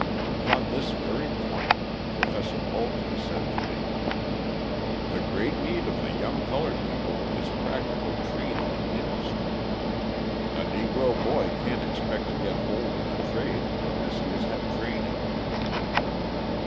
Upon this very point Professor Bulkley said to me: "The great need of the young coloured people is practical training in industry. A Negro boy can't expect to get hold in a trade unless he has had training."